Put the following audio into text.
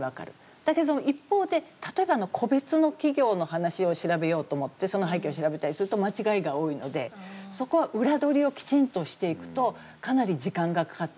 だけれども一方で例えば個別の企業の話を調べようと思ってその背景を調べたりすると間違いが多いのでそこは裏取りをきちんとしていくとかなり時間がかかってしまう。